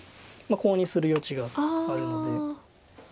コウにする余地があるので。